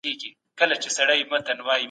علما د نورو خلکو په پرتله ډېر پوه دي.